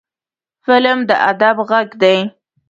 فلم د ادب غږ دی